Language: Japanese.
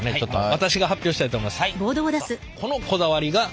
私が発表したいと思います。